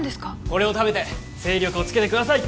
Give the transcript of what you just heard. これを食べて精力をつけてください